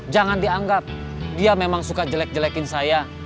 jangan dianggap dia memang suka jelek jelekin saya